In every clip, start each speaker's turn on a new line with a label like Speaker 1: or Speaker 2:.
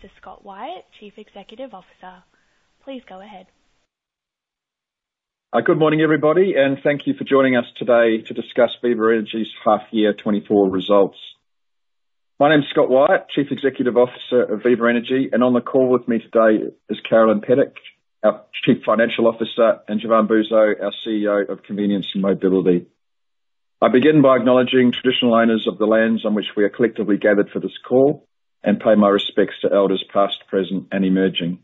Speaker 1: Mr. Scott Wyatt, Chief Executive Officer. Please go ahead.
Speaker 2: Good morning, everybody, and thank you for joining us today to discuss Viva Energy's half year 2024 results. My name is Scott Wyatt, Chief Executive Officer of Viva Energy, and on the call with me today is Carolyn Pedic, our Chief Financial Officer, and Jovan Puzavac, our CEO of Convenience and Mobility. I begin by acknowledging traditional owners of the lands on which we are collectively gathered for this call, and pay my respects to elders past, present, and emerging.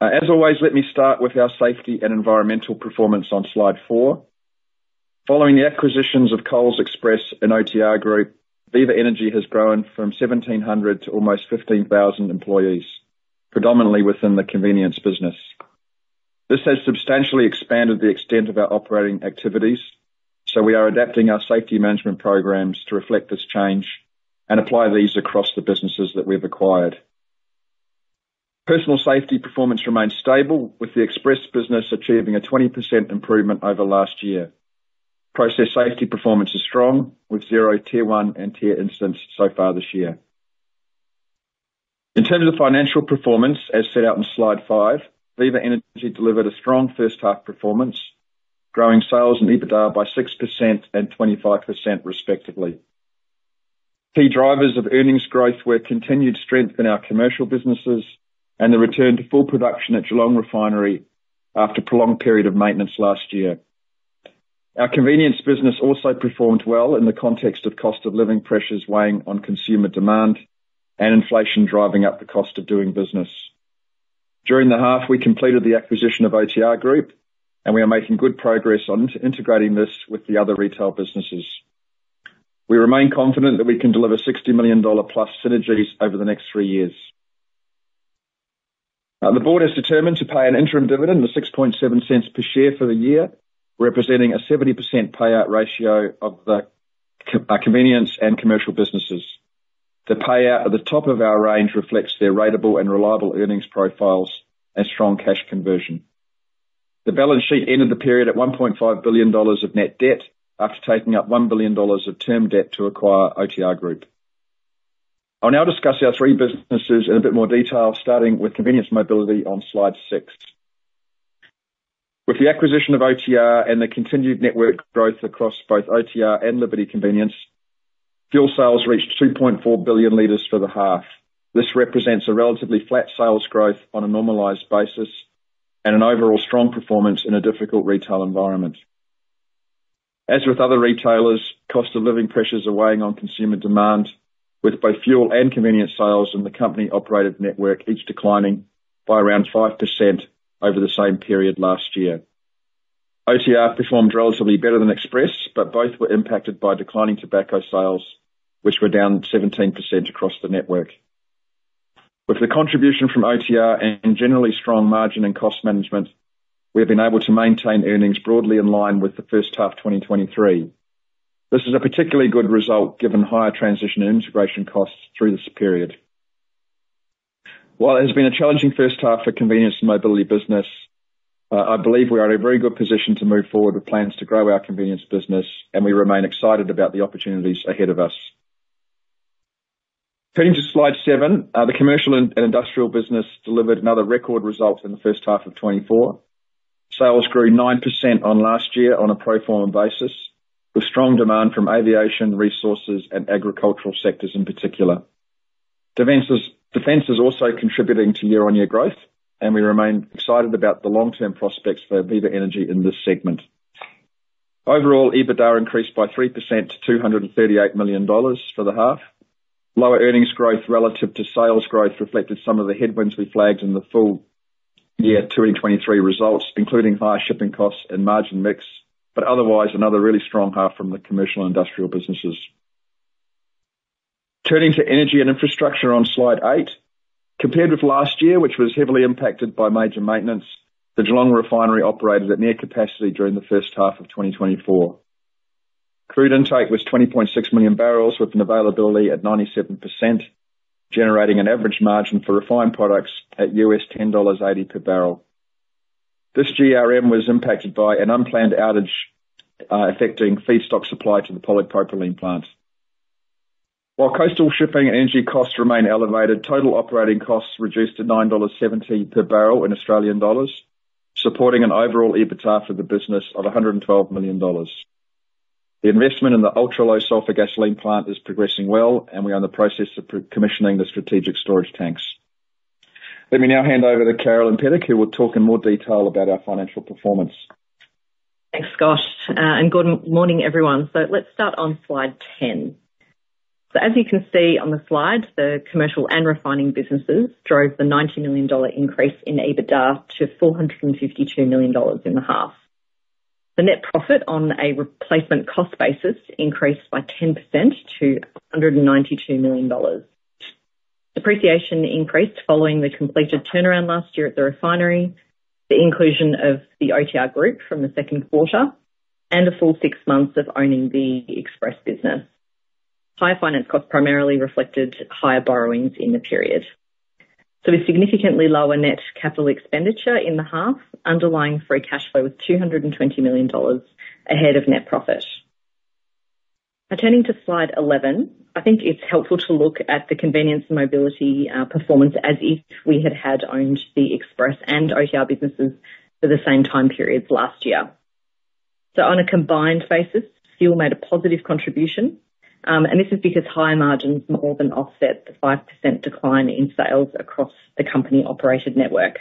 Speaker 2: As always, let me start with our safety and environmental performance on slide four. Following the acquisitions of Coles Express and OTR Group, Viva Energy has grown from 1,700 to almost 15,000 employees, predominantly within the convenience business. This has substantially expanded the extent of our operating activities, so we are adapting our safety management programs to reflect this change and apply these across the businesses that we've acquired. Personal safety performance remains stable, with the Express business achieving a 20% improvement over last year. Process safety performance is strong, with zero Tier 1 and Tier 2 incidents so far this year. In terms of financial performance, as set out in slide 5, Viva Energy delivered a strong first half performance, growing sales and EBITDA by 6% and 25%, respectively. Key drivers of earnings growth were continued strength in our commercial businesses and the return to full production at Geelong Refinery after a prolonged period of maintenance last year. Our convenience business also performed well in the context of cost of living pressures weighing on consumer demand and inflation driving up the cost of doing business. During the half, we completed the acquisition of OTR Group, and we are making good progress on integrating this with the other retail businesses. We remain confident that we can deliver 60 million dollar-plus synergies over the next three years. The board is determined to pay an interim dividend of 0.067 per share for the year, representing a 70% payout ratio of the convenience and commercial businesses. The payout at the top of our range reflects their ratable and reliable earnings profiles and strong cash conversion. The balance sheet ended the period at 1.5 billion dollars of net debt, after taking up 1 billion dollars of term debt to acquire OTR Group. I'll now discuss our three businesses in a bit more detail, starting with Convenience Mobility on slide 6. With the acquisition of OTR and the continued network growth across both OTR and Liberty Convenience, fuel sales reached 2.4 billion liters for the half. This represents a relatively flat sales growth on a normalized basis and an overall strong performance in a difficult retail environment. As with other retailers, cost of living pressures are weighing on consumer demand, with both fuel and convenience sales in the company-operated network each declining by around 5% over the same period last year. OTR performed relatively better than Express, but both were impacted by declining tobacco sales, which were down 17% across the network. With the contribution from OTR and generally strong margin and cost management, we have been able to maintain earnings broadly in line with the first half of 2023. This is a particularly good result, given higher transition and integration costs through this period. While it has been a challenging first half for Convenience and Mobility business, I believe we are in a very good position to move forward with plans to grow our convenience business, and we remain excited about the opportunities ahead of us. Turning to slide seven, the commercial and industrial business delivered another record result in the first half of 2024. Sales grew 9% on last year on a pro forma basis, with strong demand from aviation, resources, and agricultural sectors in particular. Defense is also contributing to year-on-year growth, and we remain excited about the long-term prospects for Viva Energy in this segment. Overall, EBITDA increased by 3% to 238 million dollars for the half. Lower earnings growth relative to sales growth reflected some of the headwinds we flagged in the full year 2023 results, including higher shipping costs and margin mix, but otherwise, another really strong half from the commercial and industrial businesses. Turning to energy and infrastructure on Slide 8, compared with last year, which was heavily impacted by major maintenance, the Geelong Refinery operated at near capacity during the first half of 2024. Crude intake was 20.6 million barrels, with an availability at 97%, generating an average margin for refined products at $10.80 per barrel. This GRM was impacted by an unplanned outage, affecting feedstock supply to the polypropylene plant. While coastal shipping and energy costs remain elevated, total operating costs reduced to 9.70 dollars per barrel, supporting an overall EBITDA for the business of $112 million. The investment in the ultra-low sulfur gasoline plant is progressing well, and we are in the process of pre-commissioning the strategic storage tanks. Let me now hand over to Carolyn Pedic, who will talk in more detail about our financial performance.
Speaker 1: Thanks, Scott, and good morning, everyone. Let's start on slide 10. As you can see on the slide, the commercial and refining businesses drove the 90 million dollar increase in EBITDA to 452 million dollars in the half. The net profit on a replacement cost basis increased by 10% to 192 million dollars. Depreciation increased following the completed turnaround last year at the refinery, the inclusion of the OTR Group from the second quarter, and a full six months of owning the Express business. Higher finance costs primarily reflected higher borrowings in the period. A significantly lower net capital expenditure in the half, underlying free cash flow was 220 million dollars, ahead of net profit.... Now turning to slide 11, I think it's helpful to look at the convenience and mobility performance as if we had had owned the Express and OTR businesses for the same time periods last year. So on a combined basis, fuel made a positive contribution, and this is because higher margins more than offset the 5% decline in sales across the company-operated network.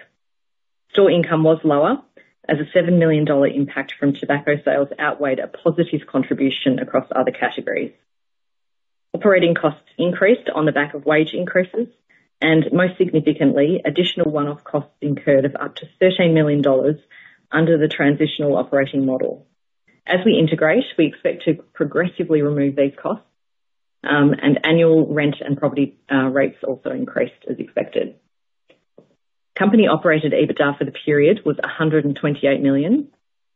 Speaker 1: Store income was lower, as a 7 million dollar impact from tobacco sales outweighed a positive contribution across other categories. Operating costs increased on the back of wage increases, and most significantly, additional one-off costs incurred of up to 13 million dollars under the transitional operating model. As we integrate, we expect to progressively remove these costs, and annual rent and property rates also increased as expected. Company-operated EBITDA for the period was 128 million,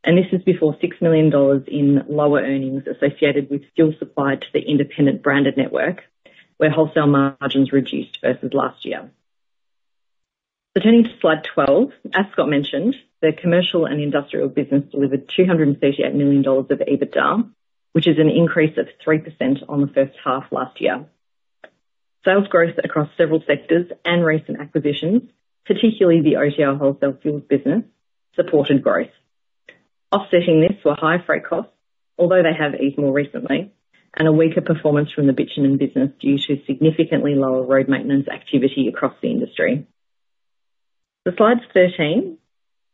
Speaker 1: and this is before 6 million dollars in lower earnings associated with fuel supplied to the independent branded network, where wholesale margins reduced versus last year. So turning to slide 12, as Scott mentioned, the commercial and industrial business delivered 238 million dollars of EBITDA, which is an increase of 3% on the first half last year. Sales growth across several sectors and recent acquisitions, particularly the OTR wholesale fuels business, supported growth. Offsetting this were high freight costs, although they have eased more recently, and a weaker performance from the bitumen business due to significantly lower road maintenance activity across the industry. So slide 13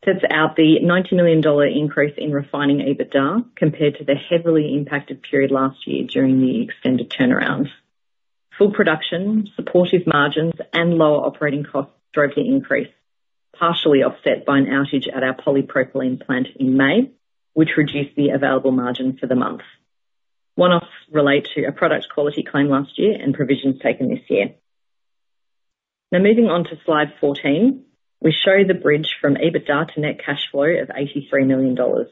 Speaker 1: sets out the 90 million dollar increase in refining EBITDA compared to the heavily impacted period last year during the extended turnarounds. Full production, supportive margins, and lower operating costs drove the increase, partially offset by an outage at our polypropylene plant in May, which reduced the available margin for the month. One-offs relate to a product quality claim last year and provisions taken this year. Now, moving on to slide 14, we show the bridge from EBITDA to net cash flow of 83 million dollars.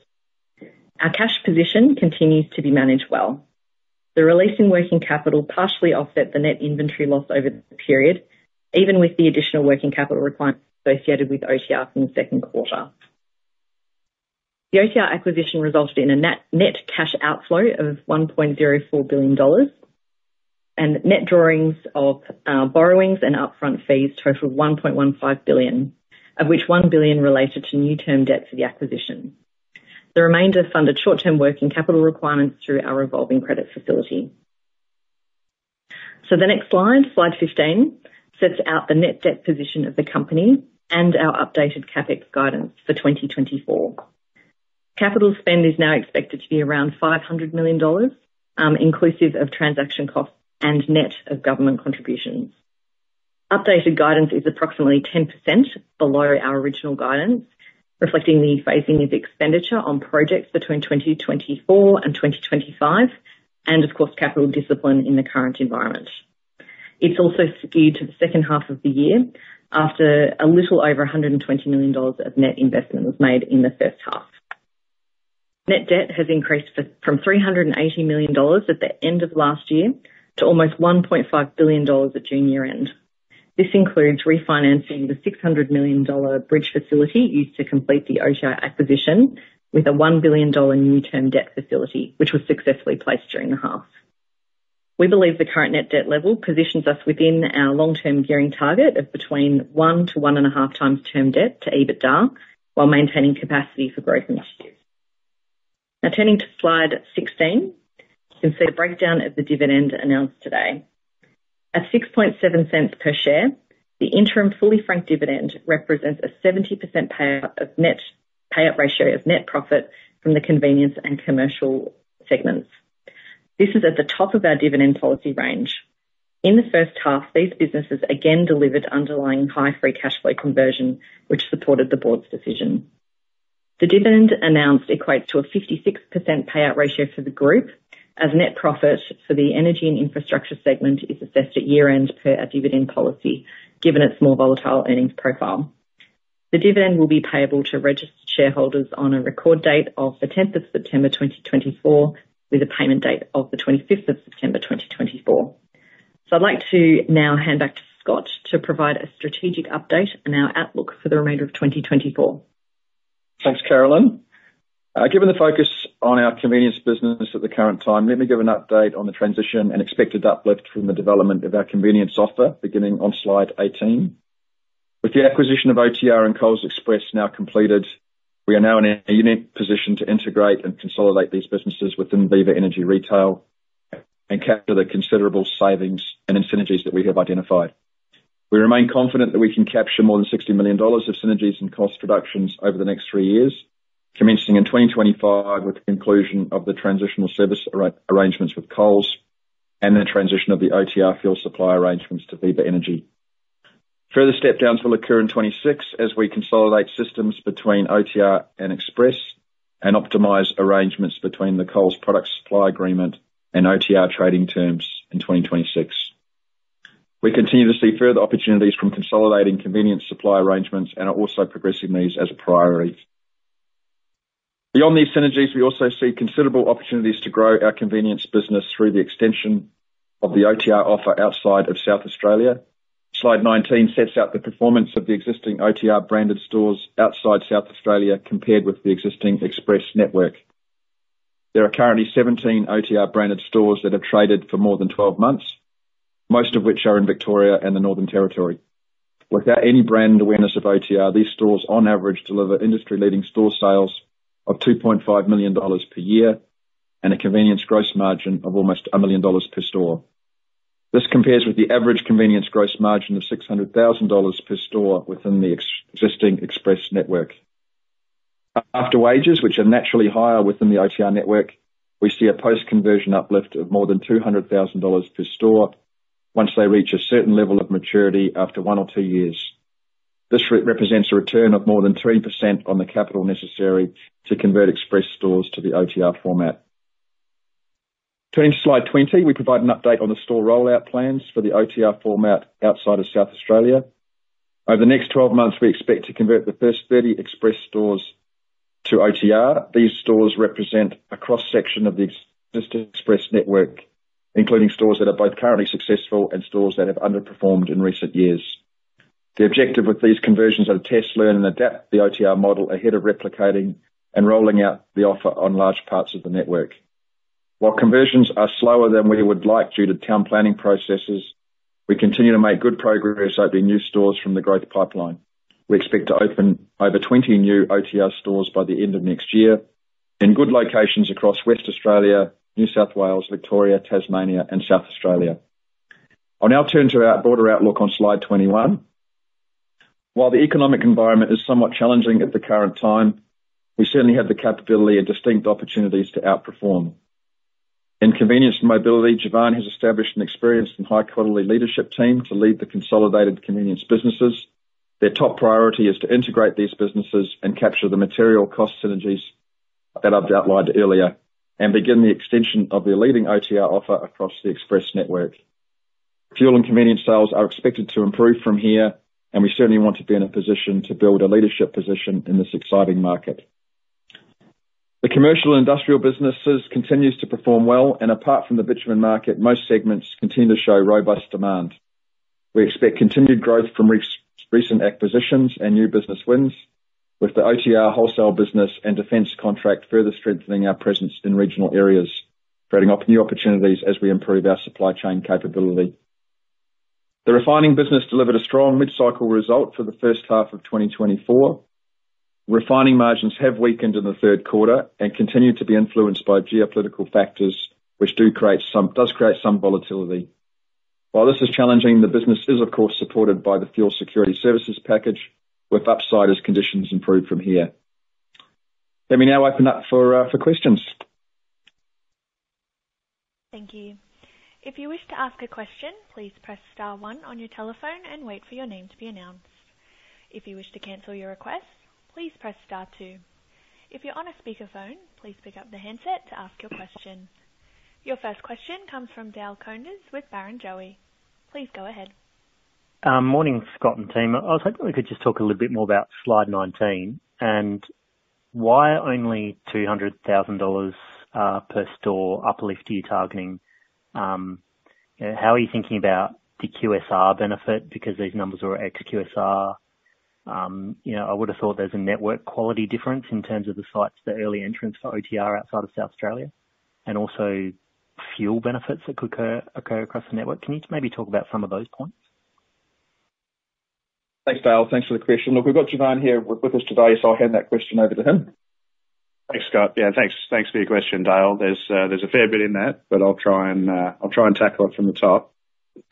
Speaker 1: Our cash position continues to be managed well. The release in working capital partially offset the net inventory loss over the period, even with the additional working capital requirements associated with OTR in the second quarter. The OTR acquisition resulted in a net cash outflow of 1.04 billion dollars, and net drawings of borrowings and upfront fees totaled 1.15 billion, of which 1 billion related to new term debts of the acquisition. The remainder funded short-term working capital requirements through our revolving credit facility. So the next slide, slide 15, sets out the net debt position of the company and our updated CapEx guidance for 2024. Capital spend is now expected to be around 500 million dollars, inclusive of transaction costs and net of government contributions. Updated guidance is approximately 10% below our original guidance, reflecting the phasing of expenditure on projects between 2024 and 2025, and of course, capital discipline in the current environment. It's also skewed to the second half of the year, after a little over 120 million dollars of net investment was made in the first half. Net debt has increased from 380 million dollars at the end of last year to almost 1.5 billion dollars at June year-end. This includes refinancing the 600 million dollar bridge facility used to complete the OTR acquisition, with a 1 billion dollar new term debt facility, which was successfully placed during the half. We believe the current net debt level positions us within our long-term gearing target of between 1-1.5 times term debt to EBITDA, while maintaining capacity for growth initiatives. Now, turning to slide 16, you can see the breakdown of the dividend announced today. At 6.7 cents per share, the interim fully franked dividend represents a 70% payout ratio of net profit from the convenience and commercial segments. This is at the top of our dividend policy range. In the first half, these businesses again delivered underlying high free cash flow conversion, which supported the board's decision. The dividend announced equates to a 56% payout ratio for the group, as net profit for the energy and infrastructure segment is assessed at year-end per our dividend policy, given its more volatile earnings profile. The dividend will be payable to registered shareholders on a record date of the tenth of September, 2024, with a payment date of the twenty-fifth of September, 2024. I'd like to now hand back to Scott to provide a strategic update and our outlook for the remainder of 2024.
Speaker 2: Thanks, Carolyn. Given the focus on our convenience business at the current time, let me give an update on the transition and expected uplift from the development of our convenience offer, beginning on slide 18. With the acquisition of OTR and Coles Express now completed, we are now in a unique position to integrate and consolidate these businesses within Viva Energy Retail and capture the considerable savings and synergies that we have identified. We remain confident that we can capture more than 60 million dollars of synergies and cost reductions over the next three years, commencing in twenty twenty-five, with the conclusion of the transitional service arrangements with Coles and the transition of the OTR fuel supply arrangements to Viva Energy. Further step downs will occur in 2026 as we consolidate systems between OTR and Express and optimize arrangements between the Coles product supply agreement and OTR trading terms in 2026. We continue to see further opportunities from consolidating convenience supply arrangements and are also progressing these as a priority. Beyond these synergies, we also see considerable opportunities to grow our convenience business through the extension of the OTR offer outside of South Australia. Slide 19 sets out the performance of the existing OTR branded stores outside South Australia, compared with the existing Express network. There are currently 17 OTR branded stores that have traded for more than 12 months, most of which are in Victoria and the Northern Territory. Without any brand awareness of OTR, these stores, on average, deliver industry-leading store sales of 2.5 million dollars per year, and a convenience gross margin of almost 1 million dollars per store. This compares with the average convenience gross margin of 600,000 dollars per store within the existing Express network. After wages, which are naturally higher within the OTR network, we see a post-conversion uplift of more than 200,000 dollars per store, once they reach a certain level of maturity after one or two years. This represents a return of more than 3% on the capital necessary to convert Express stores to the OTR format. Turning to slide 20, we provide an update on the store rollout plans for the OTR format outside of South Australia. Over the next 12 months, we expect to convert the first 30 Express stores to OTR. These stores represent a cross-section of the existing Express network, including stores that are both currently successful and stores that have underperformed in recent years. The objective with these conversions are to test, learn, and adapt the OTR model ahead of replicating and rolling out the offer on large parts of the network. While conversions are slower than we would like due to town planning processes, we continue to make good progress opening new stores from the growth pipeline. We expect to open over twenty new OTR stores by the end of next year, in good locations across Western Australia, New South Wales, Victoria, Tasmania, and South Australia. I'll now turn to our broader outlook on slide twenty-one. While the economic environment is somewhat challenging at the current time, we certainly have the capability and distinct opportunities to outperform. In Convenience and Mobility, Jovan has established an experienced and high-quality leadership team to lead the consolidated convenience businesses. Their top priority is to integrate these businesses and capture the material cost synergies that I've outlined earlier, and begin the extension of their leading OTR offer across the Express network. Fuel and convenience sales are expected to improve from here, and we certainly want to be in a position to build a leadership position in this exciting market. The commercial and industrial businesses continues to perform well, and apart from the bitumen market, most segments continue to show robust demand. We expect continued growth from recent acquisitions and new business wins, with the OTR wholesale business and defense contract further strengthening our presence in regional areas, creating new opportunities as we improve our supply chain capability. The refining business delivered a strong mid-cycle result for the first half of 2024. Refining margins have weakened in the third quarter and continue to be influenced by geopolitical factors, which does create some volatility. While this is challenging, the business is, of course, supported by the Fuel Security Services Package, with upside if conditions improved from here. Let me now open up for questions.
Speaker 3: Thank you. If you wish to ask a question, please press star one on your telephone and wait for your name to be announced. If you wish to cancel your request, please press star two. If you're on a speakerphone, please pick up the handset to ask your question. Your first question comes from Dale Koenders with Barrenjoey. Please go ahead.
Speaker 4: Morning, Scott and team. I was hoping we could just talk a little bit more about slide 19, and why only 200,000 dollars per store uplift are you targeting? And how are you thinking about the QSR benefit? Because these numbers are ex QSR. You know, I would've thought there's a network quality difference in terms of the sites, the early entrants for OTR outside of South Australia, and also fuel benefits that could occur across the network. Can you maybe talk about some of those points?
Speaker 2: Thanks, Dale. Thanks for the question. Look, we've got Jovan here with us today, so I'll hand that question over to him.
Speaker 5: Thanks, Scott. Yeah, thanks for your question, Dale. There's a fair bit in that, but I'll try and tackle it from the top.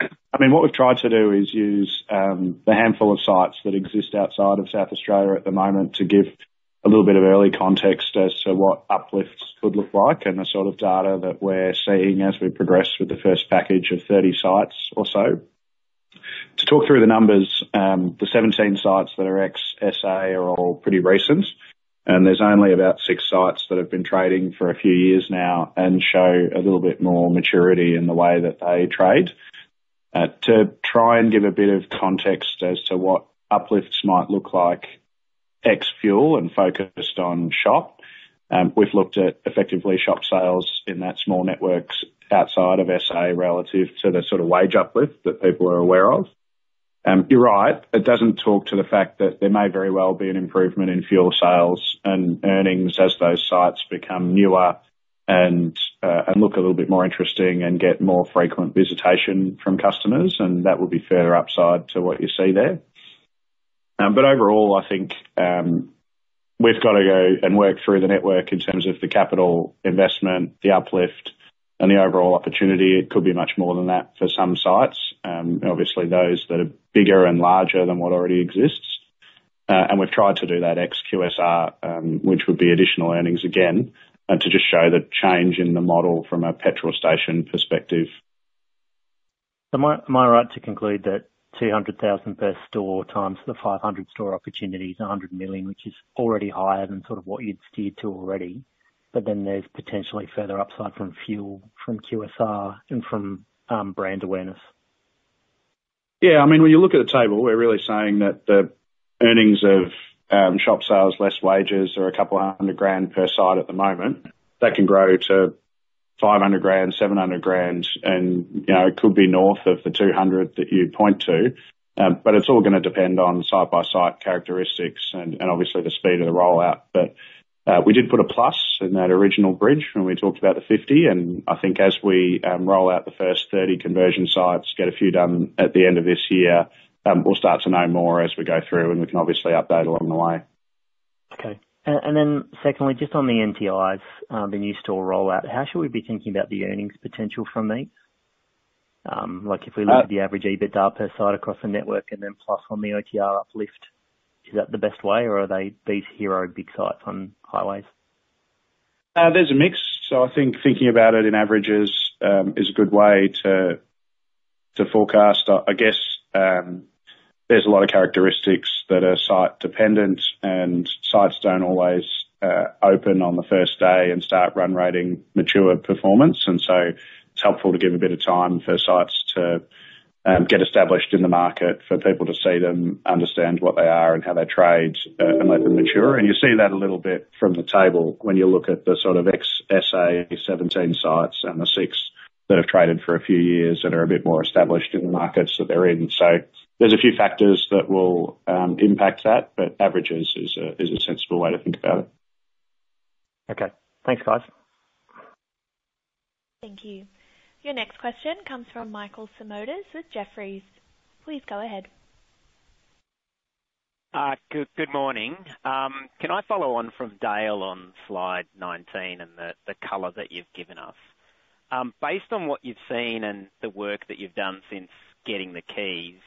Speaker 5: I mean, what we've tried to do is use the handful of sites that exist outside of South Australia at the moment to give a little bit of early context as to what uplifts could look like, and the sort of data that we're seeing as we progress with the first package of thirty sites or so. To talk through the numbers, the seventeen sites that are ex SA are all pretty recent, and there's only about six sites that have been trading for a few years now and show a little bit more maturity in the way that they trade. To try and give a bit of context as to what uplifts might look like, ex fuel and focused on shop, we've looked at effectively shop sales in that small networks outside of SA, relative to the sort of wage uplift that people are aware of. You're right, it doesn't talk to the fact that there may very well be an improvement in fuel sales and earnings as those sites become newer and look a little bit more interesting, and get more frequent visitation from customers, and that would be further upside to what you see there. But overall, I think, we've got to go and work through the network in terms of the capital investment, the uplift, and the overall opportunity. It could be much more than that for some sites, obviously those that are bigger and larger than what already exists. And we've tried to do that ex QSR, which would be additional earnings again, to just show the change in the model from a petrol station perspective.
Speaker 4: Am I, am I right to conclude that two hundred thousand per store times the five hundred store opportunity is a hundred million, which is already higher than sort of what you'd steered to already, but then there's potentially further upside from fuel, from QSR, and from brand awareness?
Speaker 5: Yeah. I mean, when you look at the table, we're really saying that the earnings of shop sales, less wages, are a couple hundred grand per site at the moment. That can grow to five hundred grand, seven hundred grand, and, you know, it could be north of the two hundred that you point to. But it's all going to depend on site-by-site characteristics and, and obviously the speed of the rollout. But we did put a plus in that original bridge when we talked about the fifty, and I think as we roll out the first 30 conversion sites, get a few done at the end of this year, we'll start to know more as we go through, and we can obviously update along the way.
Speaker 4: Okay. And, and then secondly, just on the NTIs, the new store rollout, how should we be thinking about the earnings potential from these? Like, if we look at the average EBITDA per site across the network and then plus on the OTR uplift, is that the best way, or are they these hero big sites on highways?
Speaker 5: There's a mix. So I think thinking about it in averages is a good way to forecast. I guess there's a lot of characteristics that are site dependent, and sites don't always open on the first day and start run rating mature performance. So it's helpful to give a bit of time for sites to get established in the market, for people to see them, understand what they are and how they trade, and let them mature. You see that a little bit from the table when you look at the sort of ex SA 17 sites and the 6 that have traded for a few years, that are a bit more established in the markets that they're in. So there's a few factors that will impact that, but averages is a sensible way to think about it.
Speaker 4: Okay. Thanks, guys.
Speaker 3: Thank you. Your next question comes from Michael Simotas with Jefferies. Please go ahead.
Speaker 4: Good morning. Can I follow on from Dale on slide 19 and the color that you've given us? Based on what you've seen and the work that you've done since getting the keys,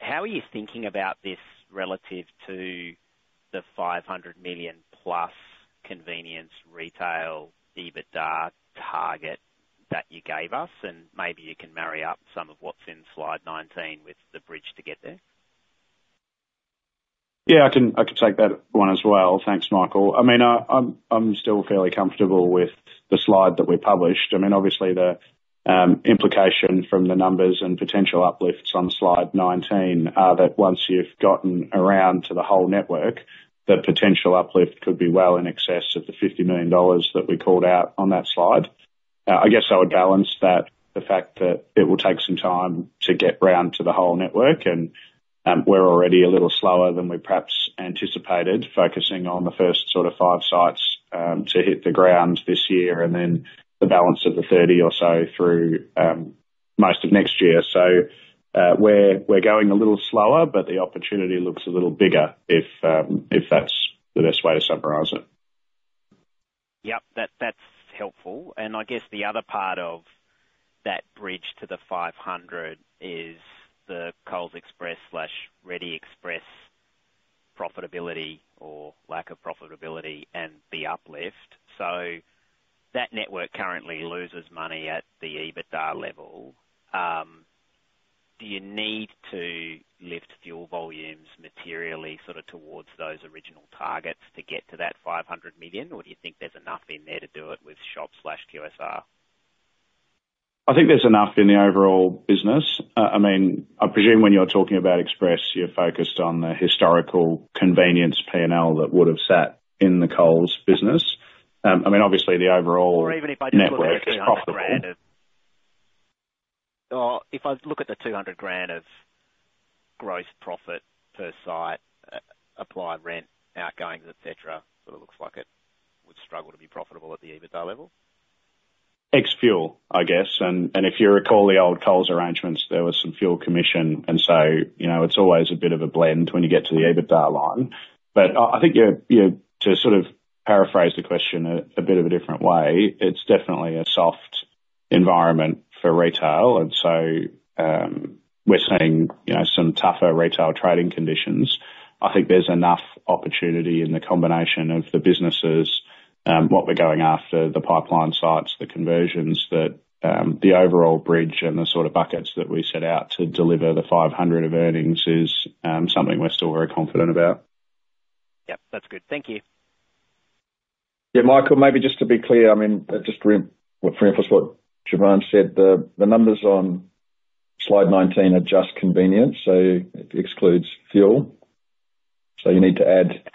Speaker 4: how are you thinking about this relative to the 500 million-plus convenience retail EBITDA target that you gave us? Maybe you can marry up some of what's in slide 19 with the bridge to get there.
Speaker 5: Yeah, I can take that one as well. Thanks, Michael. I mean, I'm still fairly comfortable with the slide that we published. I mean, obviously the implication from the numbers and potential uplifts on slide 19 are that once you've gotten around to the whole network, the potential uplift could be well in excess of the 50 million dollars that we called out on that slide. I guess I would balance that, the fact that it will take some time to get round to the whole network, and we're already a little slower than we perhaps anticipated, focusing on the first sort of five sites to hit the ground this year, and then the balance of the 30 or so through most of next year. So, we're going a little slower, but the opportunity looks a little bigger if that's the best way to summarize it.
Speaker 4: Yep, that's helpful. And I guess the other part of that bridge to the five hundred is the Coles Express slash Reddy Express profitability or lack of profitability and the uplift. So that network currently loses money at the EBITDA level. Do you need to lift fuel volumes materially, sort of towards those original targets to get to that five hundred million? Or do you think there's enough in there to do it with shop slash QSR?
Speaker 5: I think there's enough in the overall business. I mean, I presume when you're talking about Express, you're focused on the historical convenience P&L that would have sat in the Coles business. I mean, obviously the overall-
Speaker 4: Or even if I just look at the AUD 200,000-
Speaker 5: Network is profitable.
Speaker 4: If I look at the 200,000 of gross profit per site, applied rent, outgoings, et cetera, so it looks like it would struggle to be profitable at the EBITDA level?
Speaker 5: Ex-fuel, I guess, and if you recall the old Coles arrangements, there was some fuel commission. And so, you know, it's always a bit of a blend when you get to the EBITDA line. But I think you're, you know, to sort of paraphrase the question a bit of a different way, it's definitely a soft environment for retail, and so, we're seeing, you know, some tougher retail trading conditions. I think there's enough opportunity in the combination of the businesses, what we're going after, the pipeline sites, the conversions, that, the overall bridge and the sort of buckets that we set out to deliver the 500 of earnings is, something we're still very confident about.
Speaker 4: Yep, that's good. Thank you.
Speaker 5: Yeah, Michael, maybe just to be clear, I mean, just reemphasize what Siobhan said, the numbers on slide 19 are just convenience, so it excludes fuel. So you need to add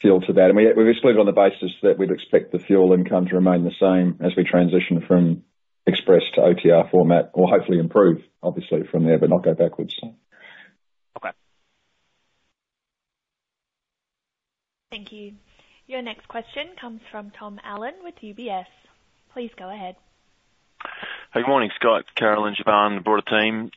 Speaker 5: fuel to that. And we just lived on the basis that we'd expect the fuel income to remain the same as we transition from Express to OTR format, or hopefully improve, obviously, from there, but not go backwards.
Speaker 4: Okay.
Speaker 3: Thank you. Your next question comes from Tom Allen with UBS. Please go ahead.
Speaker 4: Hey, morning, Scott, Carolyn, Siobhan, the broader team.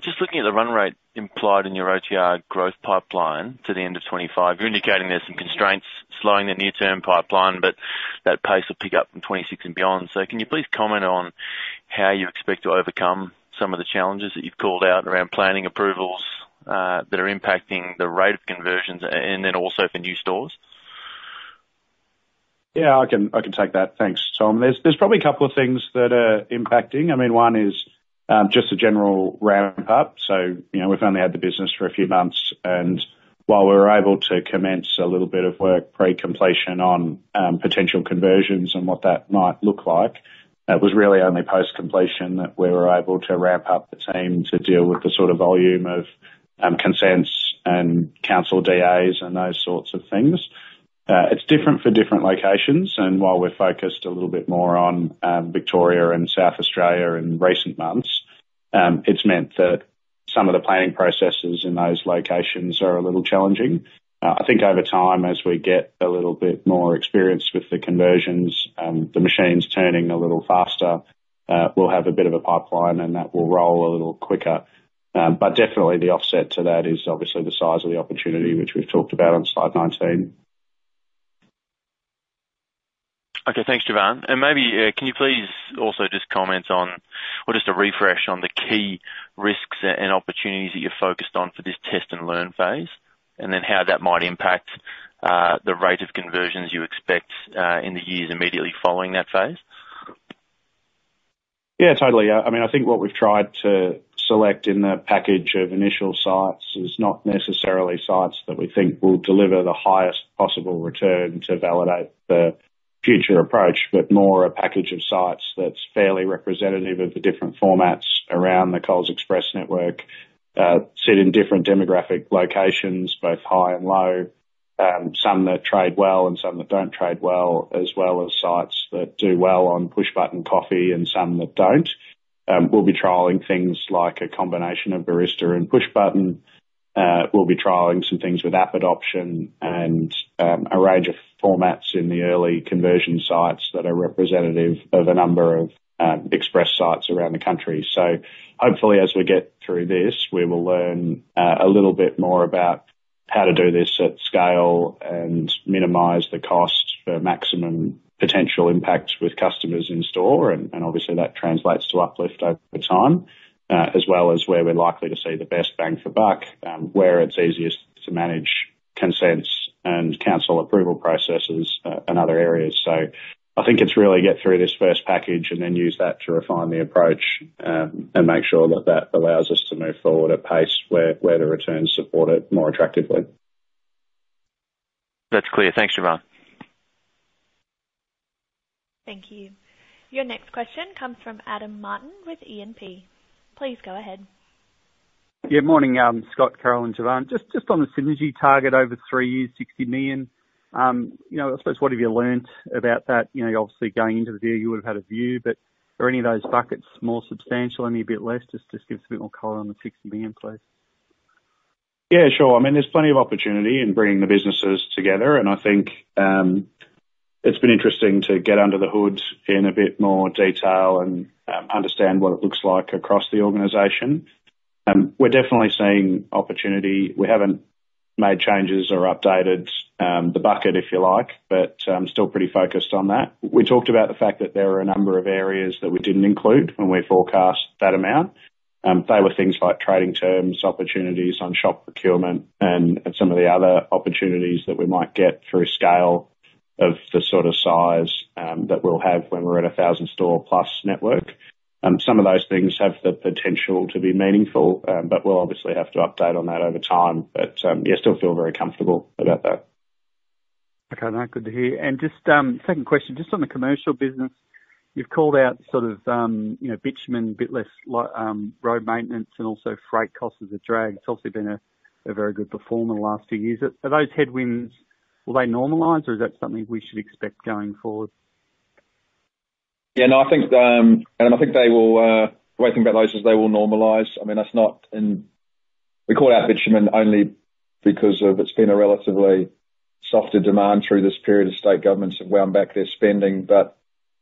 Speaker 4: Just looking at the run rate implied in your OTR growth pipeline to the end of 2025, you're indicating there's some constraints slowing the near-term pipeline, but that pace will pick up in 2026 and beyond. So can you please comment on how you expect to overcome some of the challenges that you've called out around planning approvals, that are impacting the rate of conversions and then also for new stores?
Speaker 5: Yeah, I can, I can take that. Thanks, Tom. There's probably a couple of things that are impacting. I mean, one is just the general ramp up. So, you know, we've only had the business for a few months, and while we were able to commence a little bit of work pre-completion on potential conversions and what that might look like. It was really only post-completion that we were able to ramp up the team to deal with the sort of volume of consents and council DAs and those sorts of things. It's different for different locations, and while we're focused a little bit more on Victoria and South Australia in recent months, it's meant that some of the planning processes in those locations are a little challenging. I think over time, as we get a little bit more experienced with the conversions, the machine's turning a little faster, we'll have a bit of a pipeline and that will roll a little quicker, but definitely the offset to that is obviously the size of the opportunity, which we've talked about on slide nineteen.
Speaker 4: Okay, thanks, Jovan. And maybe, can you please also just comment on, or just to refresh on the key risks and opportunities that you're focused on for this test and learn phase, and then how that might impact the rate of conversions you expect in the years immediately following that phase?
Speaker 5: Yeah, totally. I mean, I think what we've tried to select in the package of initial sites is not necessarily sites that we think will deliver the highest possible return to validate the future approach, but more a package of sites that's fairly representative of the different formats around the Coles Express network, sit in different demographic locations, both high and low, some that trade well and some that don't trade well, as well as sites that do well on push button coffee and some that don't. We'll be trialing things like a combination of barista and push button. We'll be trialing some things with app adoption and a range of formats in the early conversion sites that are representative of a number of express sites around the country. So hopefully, as we get through this, we will learn a little bit more about how to do this at scale and minimize the cost for maximum potential impact with customers in store, and obviously that translates to uplift over time, as well as where we're likely to see the best bang for buck, where it's easiest to manage consents and council approval processes, and other areas. So I think it's really get through this first package and then use that to refine the approach, and make sure that that allows us to move forward at pace where the returns support it more attractively.
Speaker 4: That's clear. Thanks, Jovan.
Speaker 3: Thank you. Your next question comes from Adam Martin with E&P. Please go ahead.
Speaker 4: Yeah, morning, Scott, Carol, and Jovan. Just on the synergy target over three years, sixty million. You know, I suppose, what have you learned about that? You know, obviously going into the deal, you would've had a view, but are any of those buckets more substantial, any a bit less? Just give us a bit more color on the sixty million, please.
Speaker 5: Yeah, sure. I mean, there's plenty of opportunity in bringing the businesses together, and I think it's been interesting to get under the hood in a bit more detail and understand what it looks like across the organization. We're definitely seeing opportunity. We haven't made changes or updated the bucket, if you like, but still pretty focused on that. We talked about the fact that there are a number of areas that we didn't include when we forecast that amount. They were things like trading terms, opportunities on shop procurement, and some of the other opportunities that we might get through scale of the sort of size that we'll have when we're at a thousand store plus network, and some of those things have the potential to be meaningful, but we'll obviously have to update on that over time. But, yeah, still feel very comfortable about that.
Speaker 4: Okay, now, good to hear. And just, second question, just on the commercial business, you've called out sort of, you know, bitumen, a bit less road maintenance and also freight costs as a drag. It's obviously been a very good performer in the last few years. Are those headwinds? Will they normalize, or is that something we should expect going forward?
Speaker 5: Yeah, no, I think they will. The way I think about those is they will normalize. I mean, we call out bitumen only because it's been a relatively softer demand through this period as state governments have wound back their spending. But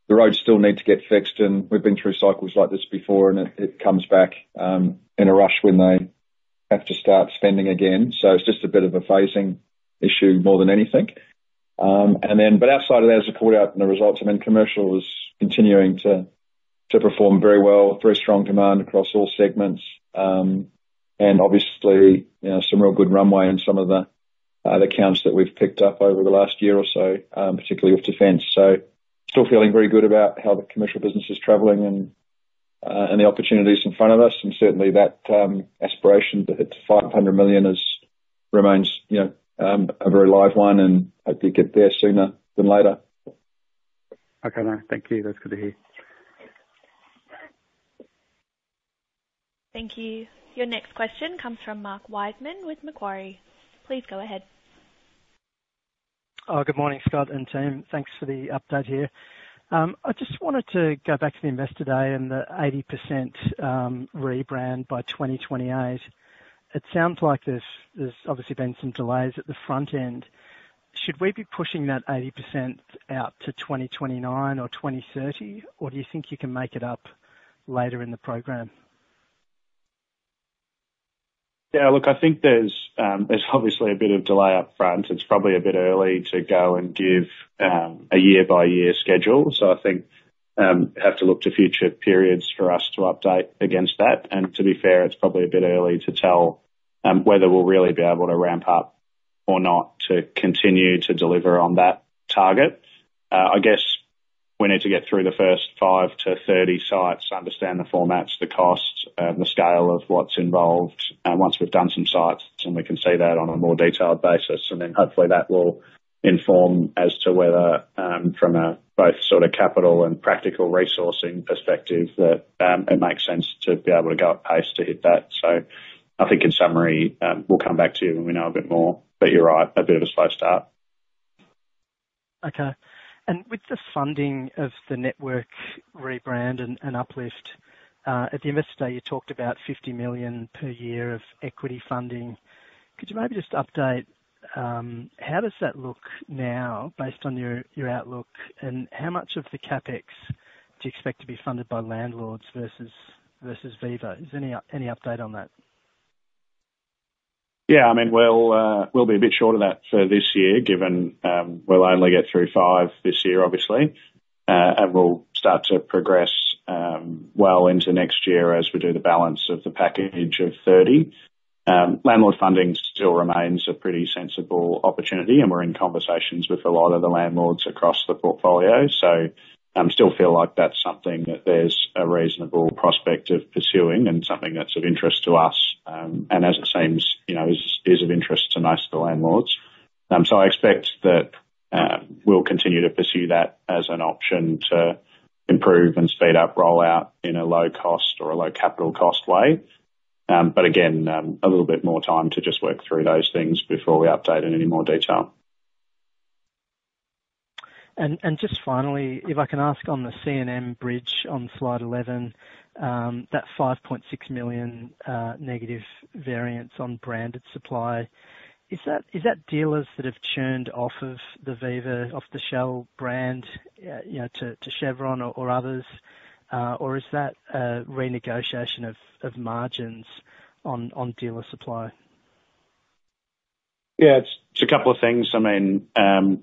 Speaker 5: the roads still need to get fixed, and we've been through cycles like this before, and it comes back in a rush when they have to start spending again. So it's just a bit of a phasing issue more than anything. And then, outside of that, as we called out in the results, I mean, commercial is continuing to perform very well. Very strong demand across all segments. And obviously, you know, some real good runway in some of the accounts that we've picked up over the last year or so, particularly with defense. So still feeling very good about how the commercial business is traveling and the opportunities in front of us, and certainly that aspiration to hit five hundred million is remains, you know, a very live one, and hopefully get there sooner than later.
Speaker 4: Okay, now thank you. That's good to hear.
Speaker 3: Thank you. Your next question comes from Mark Wiseman with Macquarie. Please go ahead.
Speaker 4: Oh, good morning, Scott and team. Thanks for the update here. I just wanted to go back to the Investor Day and the 80%, rebrand by 2028. It sounds like there's obviously been some delays at the front end. Should we be pushing that 80% out to 2029 or 2030, or do you think you can make it up later in the program?
Speaker 5: Yeah, look, I think there's, there's obviously a bit of delay up front. It's probably a bit early to go and give a year-by-year schedule. So I think have to look to future periods for us to update against that. And to be fair, it's probably a bit early to tell whether we'll really be able to ramp up or not to continue to deliver on that target. I guess we need to get through the first five to 30 sites, understand the formats, the costs, the scale of what's involved. Once we've done some sites, then we can see that on a more detailed basis, and then hopefully that will inform as to whether from a both sort of capital and practical resourcing perspective, that it makes sense to be able to go up pace to hit that. So... I think in summary, we'll come back to you when we know a bit more, but you're right, a bit of a slow start.
Speaker 4: Okay. And with the funding of the network rebrand and uplift, at the investor day, you talked about 50 million per year of equity funding. Could you maybe just update how does that look now based on your outlook, and how much of the CapEx do you expect to be funded by landlords versus Viva? Is any update on that?
Speaker 5: Yeah, I mean, we'll be a bit short of that for this year, given we'll only get through five this year, obviously, and we'll start to progress well into next year as we do the balance of the package of 30. Landlord funding still remains a pretty sensible opportunity, and we're in conversations with a lot of the landlords across the portfolio. So, still feel like that's something that there's a reasonable prospect of pursuing and something that's of interest to us, and as it seems, you know, is of interest to most of the landlords. So I expect that we'll continue to pursue that as an option to improve and speed up rollout in a low cost or a low capital cost way. But again, a little bit more time to just work through those things before we update in any more detail.
Speaker 4: Just finally, if I can ask on the CNM bridge on slide 11, that 5.6 million negative variance on branded supply, is that dealers that have churned off of the Viva, off the Shell brand, you know, to Chevron or others, or is that a renegotiation of margins on dealer supply?
Speaker 5: Yeah, it's a couple of things. I mean,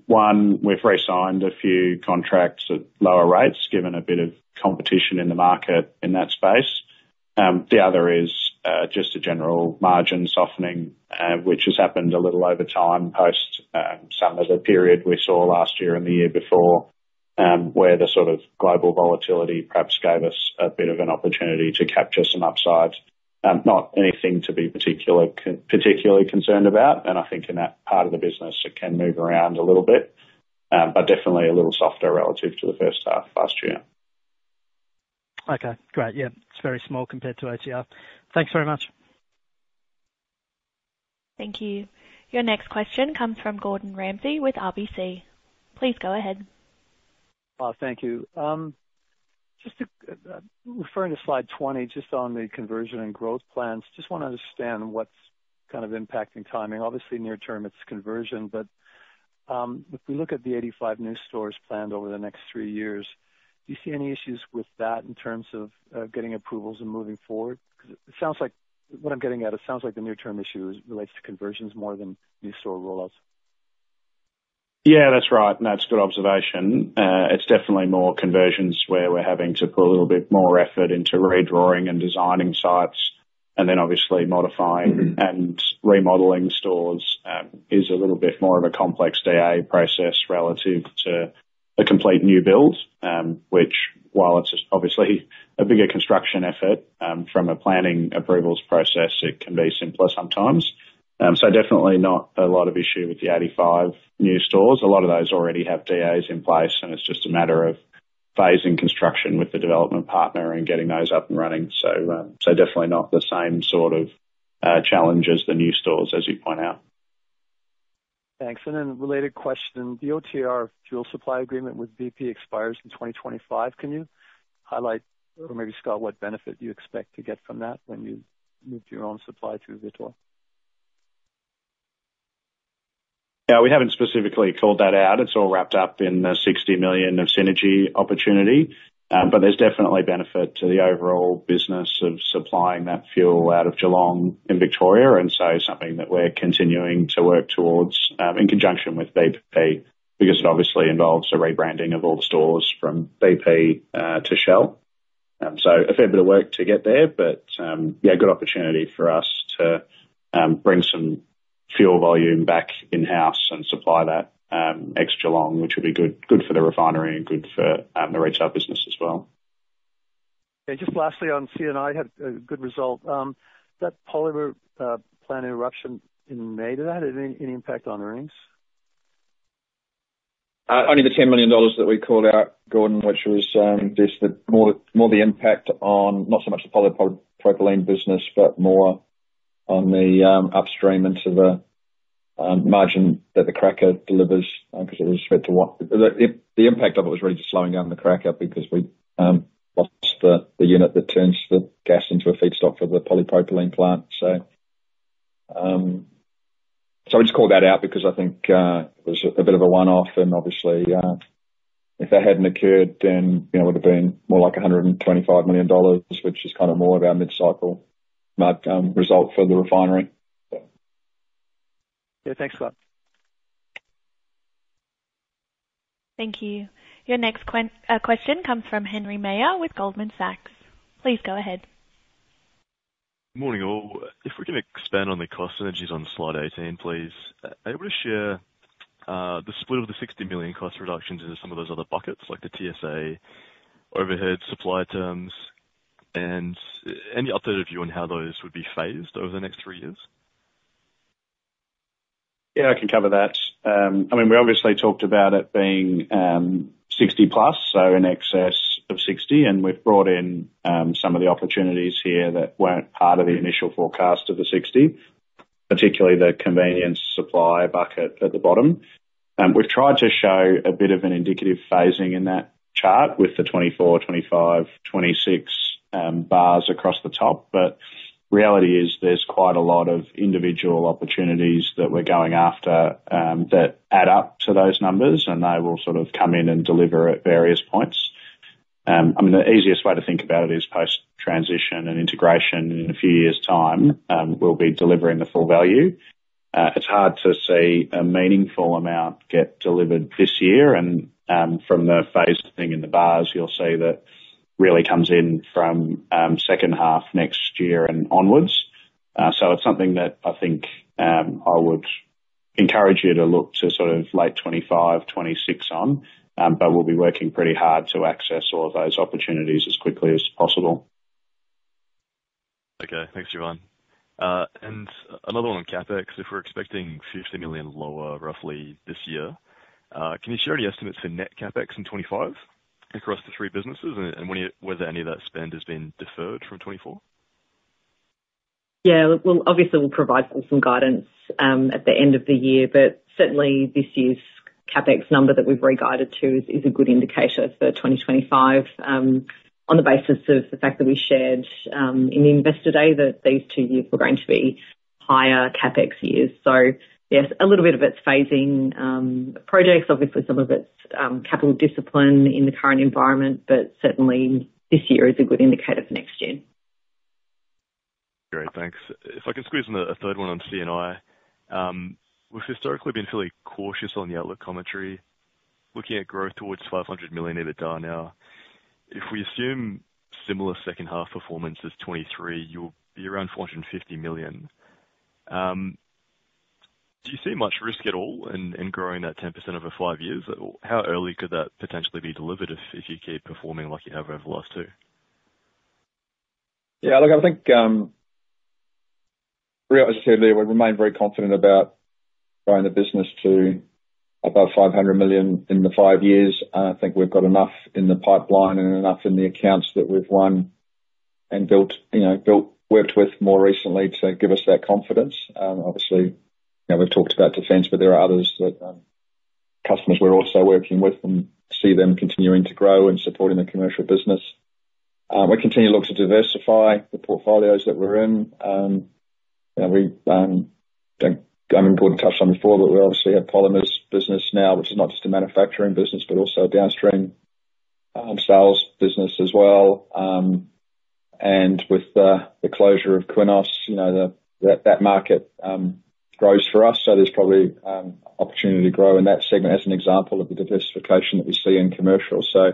Speaker 5: one, we've resigned a few contracts at lower rates, given a bit of competition in the market in that space. The other is just a general margin softening, which has happened a little over time post some of the period we saw last year and the year before, where the sort of global volatility perhaps gave us a bit of an opportunity to capture some upsides. Not anything to be particularly concerned about, and I think in that part of the business, it can move around a little bit, but definitely a little softer relative to the first half of last year.
Speaker 4: Okay, great. Yeah, it's very small compared to OTR. Thanks very much.
Speaker 3: Thank you. Your next question comes from Gordon Ramsay with RBC. Please go ahead.
Speaker 4: Thank you. Just to, referring to slide 20, just on the conversion and growth plans, just wanna understand what's kind of impacting timing. Obviously, near term, it's conversion, but, if we look at the 85 new stores planned over the next three years, do you see any issues with that in terms of, getting approvals and moving forward? Because it sounds like... What I'm getting at, it sounds like the near-term issue is relates to conversions more than new store rollouts.
Speaker 5: Yeah, that's right, and that's a good observation. It's definitely more conversions where we're having to put a little bit more effort into redrawing and designing sites, and then obviously modifying-
Speaker 4: Mm-hmm.
Speaker 5: - and remodeling stores is a little bit more of a complex DA process relative to a complete new build, which while it's obviously a bigger construction effort, from a planning approvals process, it can be simpler sometimes. So definitely not a lot of issue with the 85 new stores. A lot of those already have DAs in place, and it's just a matter of phasing construction with the development partner and getting those up and running. So, so definitely not the same sort of challenge as the new stores, as you point out.
Speaker 4: Thanks. And then a related question: the OTR fuel supply agreement with BP expires in 2025. Can you highlight, or maybe Scott, what benefit you expect to get from that when you move to your own supply through Vitol?
Speaker 5: Yeah, we haven't specifically called that out. It's all wrapped up in the 60 million of synergy opportunity. But there's definitely benefit to the overall business of supplying that fuel out of Geelong in Victoria, and so something that we're continuing to work towards, in conjunction with BP, because it obviously involves a rebranding of all the stores from BP to Shell. So a fair bit of work to get there, but, yeah, a good opportunity for us to bring some fuel volume back in-house and supply that ex-Geelong, which would be good for the refinery and good for the retail business as well.
Speaker 4: Okay. Just lastly, on CNI had a good result. That polymer plant interruption in May, did that have any impact on earnings?
Speaker 5: Only the 10 million dollars that we called out, Gordon, which was just more the impact on not so much the polypropylene business, but more on the upstream into the margin that the cracker delivers because the impact of it was really just slowing down the cracker because we lost the unit that turns the gas into a feedstock for the polypropylene plant. So, so we just called that out because I think it was a bit of a one-off, and obviously, if that hadn't occurred, then, you know, it would've been more like 125 million dollars, which is kind of more of our mid-cycle margin result for the refinery.
Speaker 4: Yeah. Thanks a lot.
Speaker 3: Thank you. Your next question comes from Henry Meyer with Goldman Sachs. Please go ahead.
Speaker 4: Good morning, all. If we can expand on the cost synergies on slide 18, please. Are you able to share the split of the 60 million cost reductions into some of those other buckets, like the TSA, overhead, supply terms, and any updated view on how those would be phased over the next three years?...
Speaker 2: Yeah, I can cover that. I mean, we obviously talked about it being sixty plus, so in excess of sixty, and we've brought in some of the opportunities here that weren't part of the initial forecast of the sixty, particularly the convenience supply bucket at the bottom. We've tried to show a bit of an indicative phasing in that chart with the 2024, 2025, 2026 bars across the top. But reality is, there's quite a lot of individual opportunities that we're going after that add up to those numbers, and they will sort of come in and deliver at various points. I mean, the easiest way to think about it is post-transition and integration in a few years' time, we'll be delivering the full value. It's hard to see a meaningful amount get delivered this year, and from the phasing in the bars, you'll see that really comes in from second half next year and onwards. So it's something that I think I would encourage you to look to sort of late 2025, 2026 on, but we'll be working pretty hard to access all of those opportunities as quickly as possible.
Speaker 4: Okay. Thanks, Jovan. And another one on CapEx. If we're expecting 50 million lower, roughly this year, can you share any estimates for net CapEx in 2025 across the three businesses? And whether any of that spend has been deferred from 2024?
Speaker 1: Yeah. Well, obviously, we'll provide some guidance at the end of the year, but certainly this year's CapEx number that we've re-guided to is a good indicator for twenty twenty-five, on the basis of the fact that we shared in the Investor Day, that these two years were going to be higher CapEx years. So yes, a little bit of it's phasing projects, obviously some of it's capital discipline in the current environment, but certainly this year is a good indicator for next year.
Speaker 4: Great. Thanks. If I could squeeze in a third one on CNI. We've historically been fairly cautious on the outlook commentary. Looking at growth towards five hundred million EBITDA now, if we assume similar second half performance as 2023, you'll be around four hundred and fifty million. Do you see much risk at all in growing that 10% over five years? How early could that potentially be delivered if you keep performing like you have over the last two?
Speaker 2: Yeah, look, I think, very honestly, we remain very confident about growing the business to above 500 million in the five years. And I think we've got enough in the pipeline and enough in the accounts that we've won and built, you know, worked with more recently to give us that confidence. Obviously, you know, we've talked about defense, but there are others that, customers we're also working with and see them continuing to grow and supporting the commercial business. We continue to look to diversify the portfolios that we're in. You know, important to touch on before, but we obviously have polymers business now, which is not just a manufacturing business, but also a downstream, sales business as well. And with the closure of Qenos, you know, that market grows for us, so there's probably opportunity to grow in that segment as an example of the diversification that we see in commercial. So,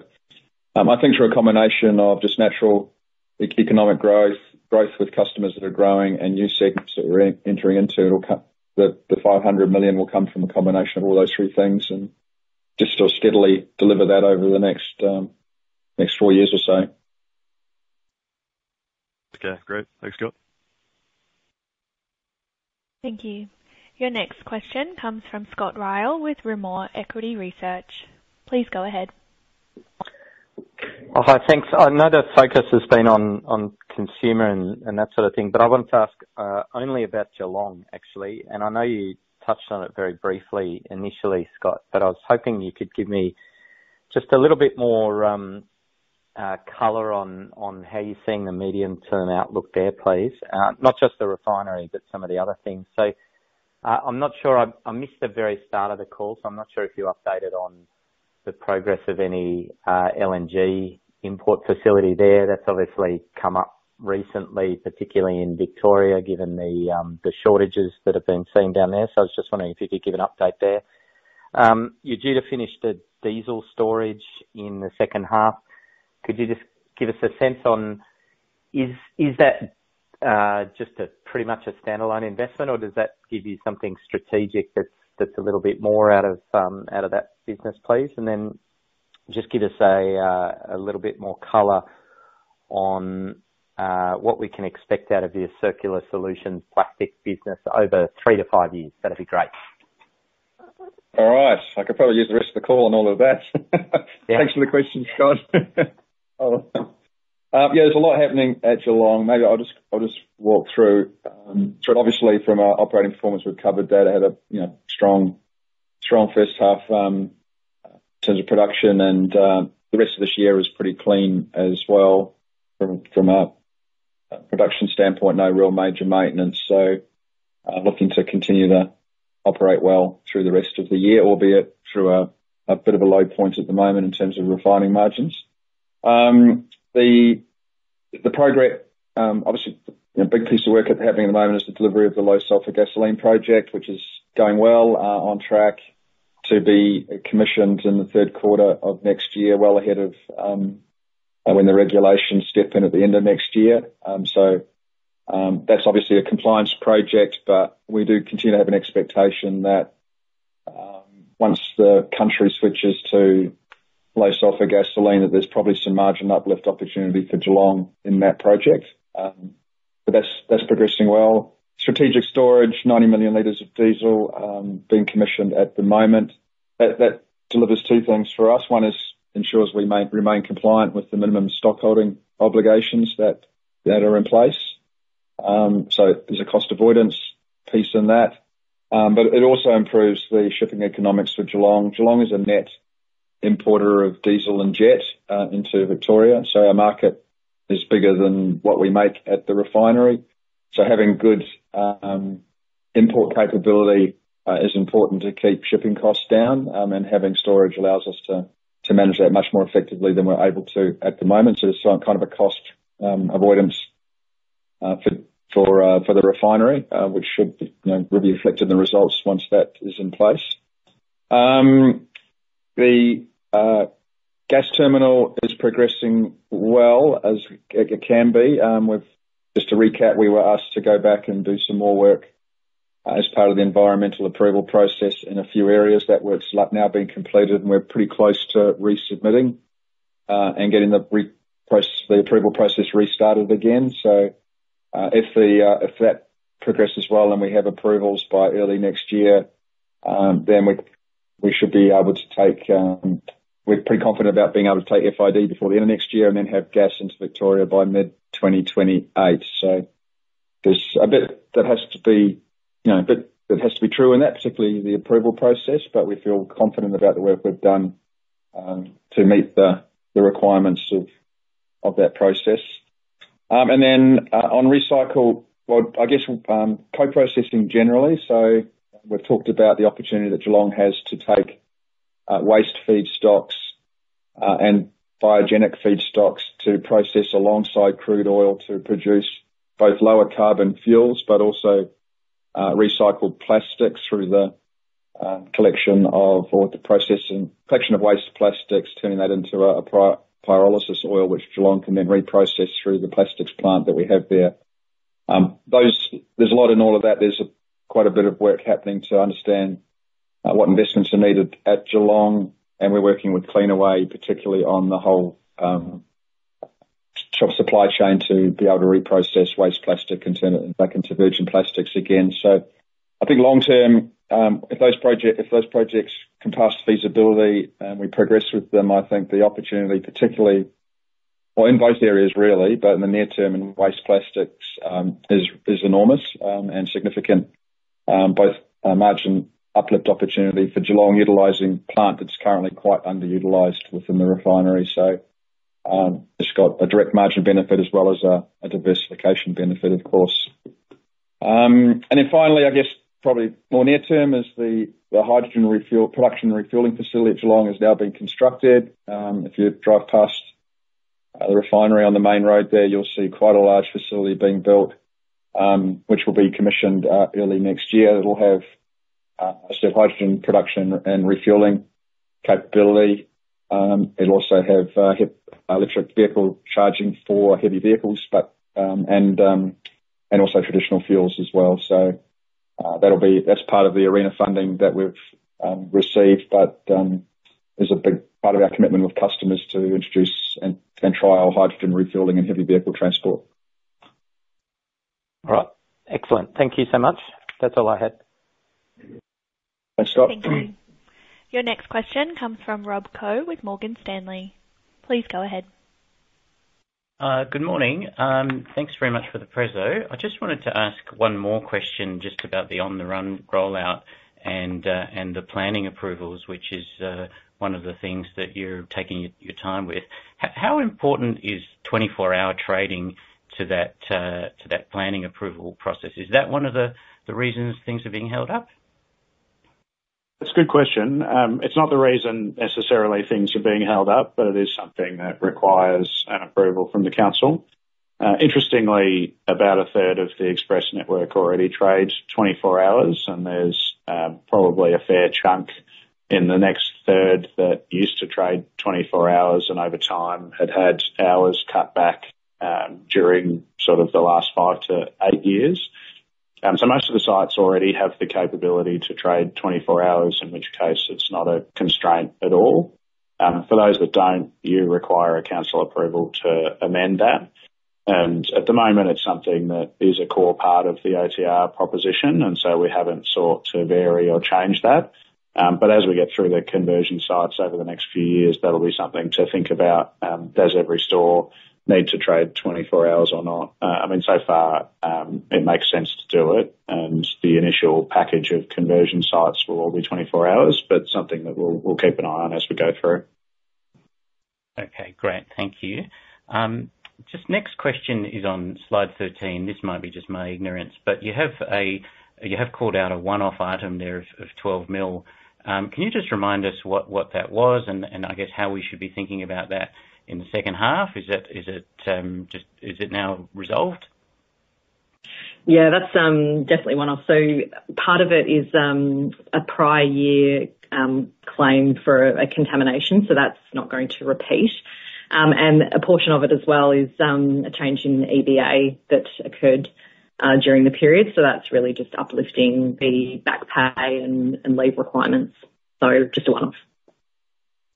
Speaker 2: I think through a combination of just natural economic growth, growth with customers that are growing and new segments that we're entering into, it'll come. The 500 million will come from a combination of all those three things, and just we'll steadily deliver that over the next four years or so.
Speaker 4: Okay, great. Thanks, Scott.
Speaker 3: Thank you. Your next question comes from Scott Ryall with Rimor Equity Research. Please go ahead.
Speaker 4: Oh, hi. Thanks. I know the focus has been on consumer and that sort of thing, but I wanted to ask only about Geelong, actually. I know you touched on it very briefly, initially, Scott, but I was hoping you could give me just a little bit more color on how you're seeing the medium-term outlook there, please. Not just the refinery, but some of the other things. I'm not sure. I missed the very start of the call, so I'm not sure if you updated on the progress of any LNG import facility there. That's obviously come up recently, particularly in Victoria, given the shortages that have been seen down there. I was just wondering if you could give an update there. You're due to finish the diesel storage in the second half. Could you just give us a sense on, is that just pretty much a standalone investment, or does that give you something strategic that's a little bit more out of that business, please? And then just give us a little bit more color on what we can expect out of your circular solution plastic business over three to five years. That'd be great.
Speaker 2: All right. I could probably use the rest of the call on all of that.
Speaker 4: Yeah.
Speaker 2: Thanks for the question, Scott. Yeah, there's a lot happening at Geelong. Maybe I'll just walk through. So obviously from our operating performance, we've covered that it had a, you know, strong, strong first half in terms of production, and the rest of this year is pretty clean as well from a production standpoint, no real major maintenance, so looking to continue to operate well through the rest of the year, albeit through a bit of a low point at the moment in terms of refining margins. The progress... Obviously, you know, a big piece of work that's happening at the moment is the delivery of the low sulfur gasoline project, which is going well, on track to be commissioned in the third quarter of next year, well ahead of, when the regulations step in at the end of next year. So, that's obviously a compliance project, but we do continue to have an expectation that once the country switches to low sulfur gasoline, that there's probably some margin uplift opportunity for Geelong in that project. But that's progressing well. Strategic storage, 90 million liters of diesel, being commissioned at the moment. That delivers two things for us. One is ensures we remain compliant with the minimum stock holding obligations that are in place. So there's a cost avoidance piece in that, but it also improves the shipping economics for Geelong. Geelong is a net importer of diesel and jet into Victoria, so our market is bigger than what we make at the refinery. So having good import capability is important to keep shipping costs down, and having storage allows us to manage that much more effectively than we're able to at the moment. So it's some kind of a cost avoidance for the refinery, which should, you know, will be reflected in the results once that is in place. The gas terminal is progressing well, as it can be. Just to recap, we were asked to go back and do some more work as part of the environmental approval process in a few areas. That work's now been completed, and we're pretty close to resubmitting, and getting the approval process restarted again. So, if that progresses well and we have approvals by early next year, then we should be able to take... We're pretty confident about being able to take FID before the end of next year, and then have gas into Victoria by mid-2028. So there's a bit that has to be, you know, a bit that has to be true, and that's particularly the approval process, but we feel confident about the work we've done, to meet the requirements of that process. And then, on recycle, well, I guess, co-processing generally. So we've talked about the opportunity that Geelong has to take waste feedstocks and biogenic feedstocks to process alongside crude oil to produce both lower carbon fuels, but also recycled plastics through the collection of waste plastics, turning that into a pyrolysis oil, which Geelong can then reprocess through the plastics plant that we have there. Those, there's a lot in all of that. There's quite a bit of work happening to understand what investments are needed at Geelong, and we're working with Cleanaway, particularly on the whole supply chain, to be able to reprocess waste plastic and turn it back into virgin plastics again. So I think long term, if those projects can pass feasibility and we progress with them, I think the opportunity particularly, or in both areas really, but in the near term in waste plastics, is enormous and significant. Both a margin uplift opportunity for Geelong, utilizing plant that's currently quite underutilized within the refinery, it's got a direct margin benefit as well as a diversification benefit, of course. And then finally, I guess probably more near term is the hydrogen production refueling facility at Geelong has now been constructed. If you drive past the refinery on the main road there, you'll see quite a large facility being built, which will be commissioned early next year. It'll have sort of hydrogen production and refueling capability. It'll also have electric vehicle charging for heavy vehicles, but also traditional fuels as well. That'll be part of the ARENA funding that we've received. It is a big part of our commitment with customers to introduce and trial hydrogen refueling and heavy vehicle transport.
Speaker 4: All right. Excellent. Thank you so much. That's all I had.
Speaker 2: Thanks, Scott.
Speaker 3: Thank you. Your next question comes from Rob Koh with Morgan Stanley. Please go ahead. Good morning. Thanks very much for the preso. I just wanted to ask one more question just about the on the run rollout and, and the planning approvals, which is, one of the things that you're taking your time with. How important is twenty-four-hour trading to that, to that planning approval process? Is that one of the, the reasons things are being held up?
Speaker 2: That's a good question. It's not the reason necessarily things are being held up, but it is something that requires an approval from the council. Interestingly, about a third of the Express network already trades twenty-four hours, and there's probably a fair chunk in the next third that used to trade twenty-four hours, and over time have had hours cut back during sort of the last five to eight years. So most of the sites already have the capability to trade twenty-four hours, in which case, it's not a constraint at all. For those that don't, you require a council approval to amend that, and at the moment, it's something that is a core part of the OTR proposition, and so we haven't sought to vary or change that. But as we get through the conversion sites over the next few years, that'll be something to think about. Does every store need to trade twenty-four hours or not? I mean, so far, it makes sense to do it, and the initial package of conversion sites will all be twenty-four hours, but something that we'll keep an eye on as we go through.
Speaker 4: Okay, great. Thank you. Just next question is on slide 13. This might be just my ignorance, but you have called out a one-off item there of 12 million. Can you just remind us what that was? And I guess how we should be thinking about that in the second half. Is that now resolved? Yeah, that's definitely one off. So part of it is a prior year claim for a contamination, so that's not going to repeat....
Speaker 1: and a portion of it as well is a change in the EBA that occurred during the period. So that's really just uplifting the back pay and leave requirements, so just a one-off.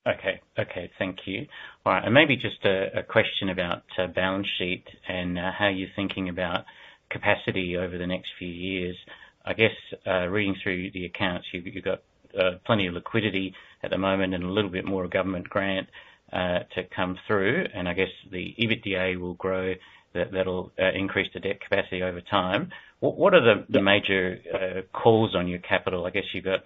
Speaker 4: Okay. Okay, thank you. All right, and maybe just a question about balance sheet, and how you're thinking about capacity over the next few years. I guess reading through the accounts, you've got plenty of liquidity at the moment, and a little bit more of government grant to come through, and I guess the EBITDA will grow, that'll increase the debt capacity over time. What are the major calls on your capital? I guess you've got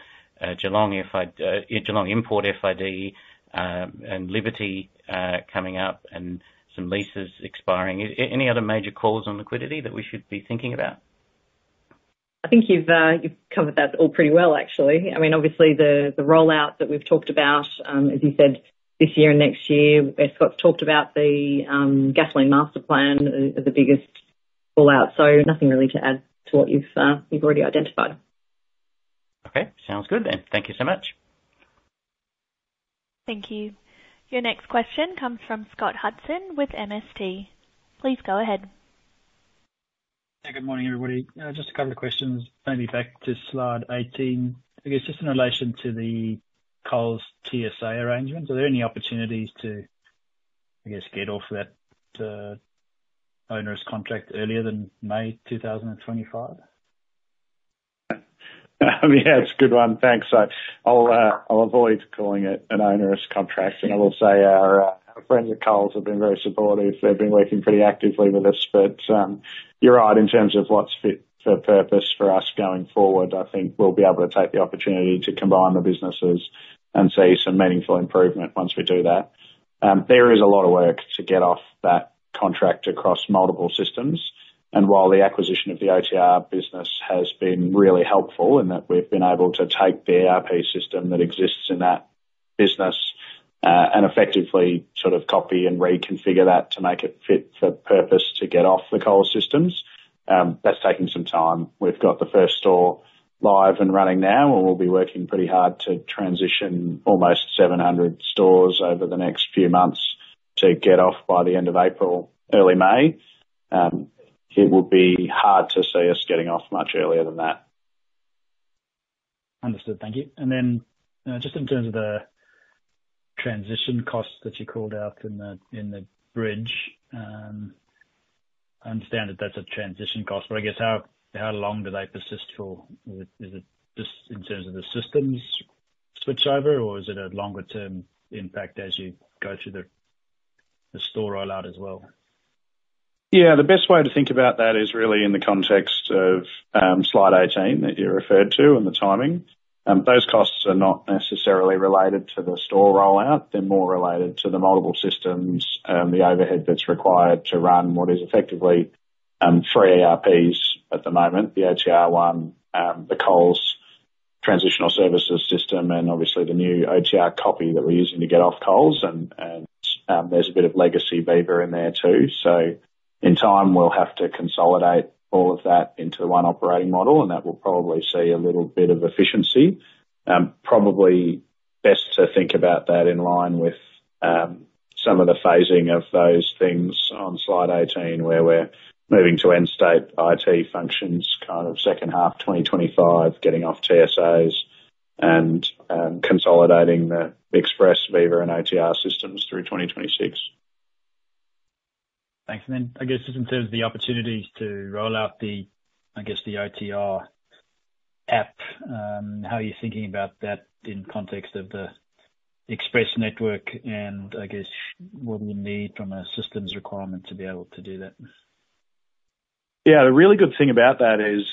Speaker 4: Geelong Import FID, and Liberty coming up, and some leases expiring. Any other major calls on liquidity that we should be thinking about?
Speaker 1: I think you've covered that all pretty well, actually. I mean, obviously the rollout that we've talked about, as you said, this year and next year, Scott's talked about the Gasoline Master Plan, are the biggest rollout, so nothing really to add to what you've already identified.
Speaker 4: Okay, sounds good, and thank you so much.
Speaker 3: Thank you. Your next question comes from Scott Hudson with MST. Please go ahead.
Speaker 4: Hey, good morning, everybody. Just a couple of questions. Maybe back to slide eighteen. I guess just in relation to the Coles TSA arrangement, are there any opportunities to, I guess, get off that, onerous contract earlier than May 2025?
Speaker 5: Yeah, it's a good one. Thanks. So I'll avoid calling it an onerous contract, and I will say our friends at Coles have been very supportive. They've been working pretty actively with us, but you're right in terms of what's fit for purpose for us going forward. I think we'll be able to take the opportunity to combine the businesses and see some meaningful improvement once we do that. There is a lot of work to get off that contract across multiple systems, and while the acquisition of the OTR business has been really helpful, in that we've been able to take the ERP system that exists in that business, and effectively sort of copy and reconfigure that to make it fit for purpose to get off the Coles systems, that's taking some time. We've got the first store live and running now, and we'll be working pretty hard to transition almost seven hundred stores over the next few months to get off by the end of April, early May. It would be hard to see us getting off much earlier than that.
Speaker 4: Understood. Thank you. And then, just in terms of the transition costs that you called out in the bridge, I understand that that's a transition cost, but I guess how long do they persist for? Is it just in terms of the systems switchover, or is it a longer term impact as you go through the store rollout as well?
Speaker 5: Yeah, the best way to think about that is really in the context of slide 18, that you referred to, and the timing. Those costs are not necessarily related to the store rollout. They're more related to the multiple systems and the overhead that's required to run what is effectively three ERPs at the moment, the OTR one, the Coles Transitional Services system, and obviously the new OTR copy that we're using to get off Coles. And there's a bit of legacy Viva in there, too. So in time, we'll have to consolidate all of that into one operating model, and that will probably see a little bit of efficiency. Probably best to think about that in line with some of the phasing of those things on Slide 18, where we're moving to end state IT functions, kind of second half 2025, getting off TSAs, and consolidating the Express, Viva, and OTR systems through 2026.
Speaker 4: Thanks. And then I guess just in terms of the opportunities to roll out the, I guess, the OTR app, how are you thinking about that in context of the Express network, and I guess what will you need from a systems requirement to be able to do that?
Speaker 5: Yeah, the really good thing about that is,